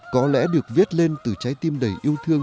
có lẽ được viết lên từ trái tim đầy yêu thương